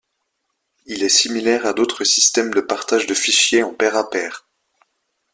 Il est similaire à d'autres systèmes de partage de fichiers en pair à pair.